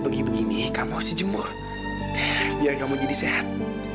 aku akan mengumpet